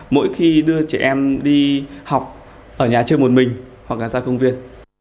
mỗi khi đưa trẻ em đi học ở nhà chơi một mình hoặc là ra công viên